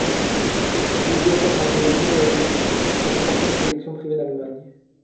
Sa bibliothèque rassemblait livres et était une des plus importantes collections privée d'Allemagne.